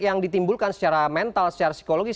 yang ditimbulkan secara mental secara psikologis